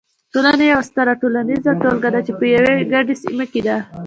ټولنه یوه ستره ټولنیزه ټولګه ده چې په یوې ګډې سیمې کې ده.